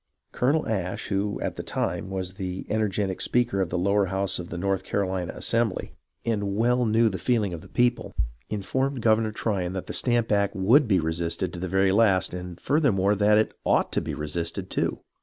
Colonel Ashe, who, at the time, was the energetic speaker of the lower house of the North Carolina Assembly, and well knew the feeling of the people, informed Governor Tryon that the Stamp Act would be resisted to the very last, and furthermore, that it ought to be resisted, too.